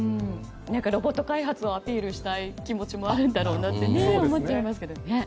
ロボット開発をアピールしたい気持ちもあるんだろうなと思っちゃいますけどね。